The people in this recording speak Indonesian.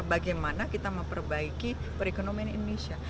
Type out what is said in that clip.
bagaimana kita memperbaiki perekonomian indonesia